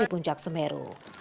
dan pencarian yang harus dilakukan